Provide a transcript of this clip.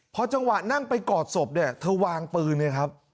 พอจังหวะนั่งไปกอดศพเนี่ยเธอวางปืนไงครับ